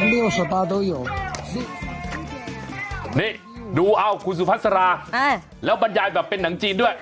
นี่ดูเอาคุณสุพัสราแล้วบรรยายแบบเป็นหนังจีนด้วย